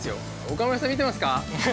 岡村さん、見てますか。